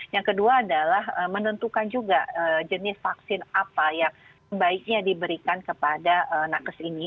yang kedua adalah menentukan juga jenis vaksin apa yang sebaiknya diberikan kepada nakes ini